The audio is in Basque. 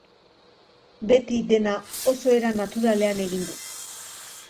Beti dena oso era naturalean egin dut.